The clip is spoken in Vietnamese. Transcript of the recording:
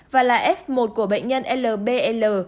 và là f một của bệnh nhân lbl